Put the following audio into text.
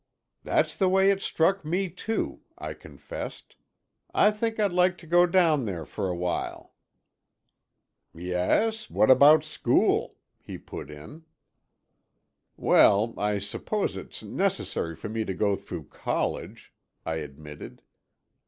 "That's the way it struck me, too," I confessed. "I think I'd like to go down there for a while." "Yes? What about school?" he put in. "Well, I suppose it's necessary for me to go through college," I admitted.